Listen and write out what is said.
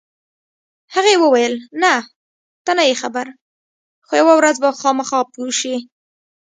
هغې وویل: نه، ته نه یې خبر، خو یوه ورځ به خامخا پوه شې.